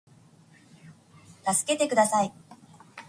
たすけてください